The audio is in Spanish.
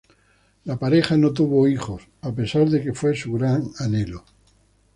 La pareja no tuvo hijos, a pesar de que fue su gran anhelo.